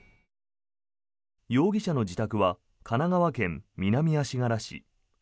容疑者の自宅は神奈川県南足柄市。